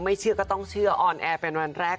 เชื่อก็ต้องเชื่อออนแอร์เป็นวันแรก